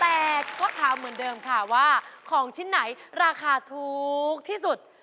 แต่ก็ถามเหมือนเดิมค่ะว่าของชิ้นไหนราคาถูกที่สุด